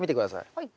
はい。